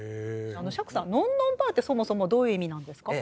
あの釈さん「のんのんばあ」ってそもそもどういう意味なんですか？